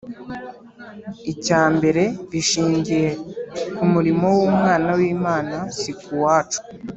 Icya mbere, bishingiye ku murimo w'Umwana w'Imana, si ku wacu.